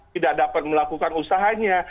tidak dapat melakukan usahanya